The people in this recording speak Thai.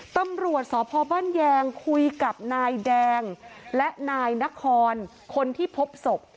ตำรวจสพบ้านแยงคุยกับนายแดงและนายนครคนที่พบศพ